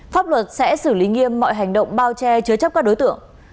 pháp luật sẽ xử lý nghiêm mọi hành động bao che chứa chấp các đối tượng